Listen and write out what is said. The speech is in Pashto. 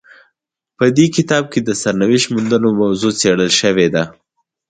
په دې کتاب کې د سرنوشت موندلو موضوع څیړل شوې ده.